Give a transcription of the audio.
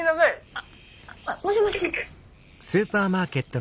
あっもしもし。